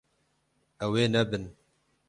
Ew ê nebin.